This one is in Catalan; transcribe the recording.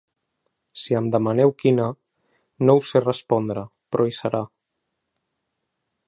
Si em demaneu quina, no us sé respondre, però hi serà.